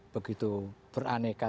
kita begitu beraneka